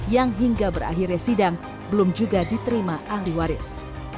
yang hingga berakhirnya sidang belum juga diterima ahli waris